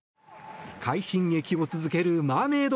快進撃を続けるマーメイド